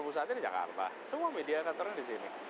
pusatnya di jakarta semua media kantornya di sini